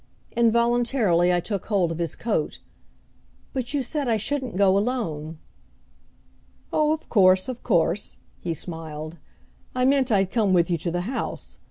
Involuntarily I took hold of his coat, "But you said I shouldn't go alone!" "Oh, of course, of course," he smiled. "I meant I'd come with you to the house.